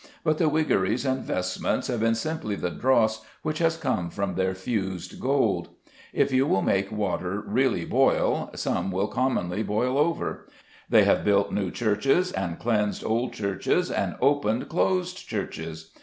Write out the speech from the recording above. But the wiggeries and vestments have been simply the dross which has come from their fused gold. If you will make water really boil, some will commonly boil over. They have built new churches, and cleansed old churches, and opened closed churches.